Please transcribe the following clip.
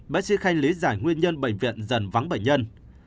bác sĩ khanh lý giải nguyên nhân bệnh viện dần vắng bệnh nhân